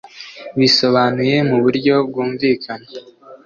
bisobanuye mu buryo bwumvikana